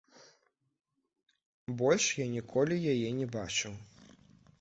Больш я ніколі яе не бачыў.